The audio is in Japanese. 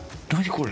これ。